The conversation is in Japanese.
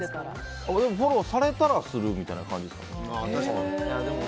俺はフォローされたらするみたいな感じです。